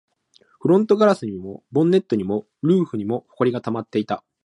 フロントガラスにも、ボンネットにも、ルーフにも埃が溜まっていた